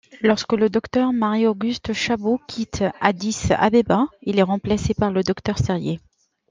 Lorsque le Docteur Marie-Auguste Chabaud quitte Addis-Abeba, il est remplacé par le Docteur Sérié.